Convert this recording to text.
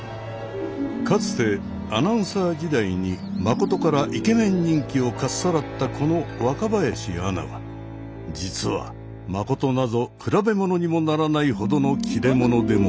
かつてアナウンサー時代に真からイケメン人気をかっさらったこの若林アナは実は真なぞ比べものにもならないほどの切れ者でもあり。